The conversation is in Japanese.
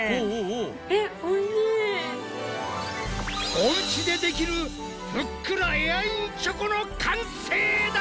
おうちでできるふっくらエアインチョコの完成だ！